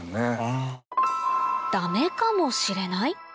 「ダメかもしれない」？